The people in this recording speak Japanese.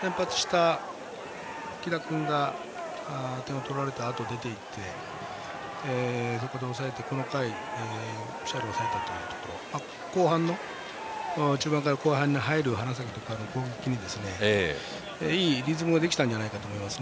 先発した木田君が点を取られたあと出ていってそこで抑えて、この回ピシャリ抑えたというところ中盤から後半に入る花咲徳栄の攻撃いいリズムができたんじゃないかと思います。